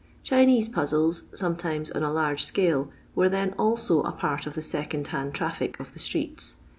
Chinese puzzles, sometimes on a large scale, were then also a part of the second hand traffic of the streets.